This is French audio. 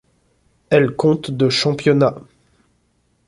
Elle compte de championnat.